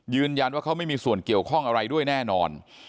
ยืนยันว่าเขาไม่มีส่วนเกี่ยวข้องอะไรด้วยแน่นอน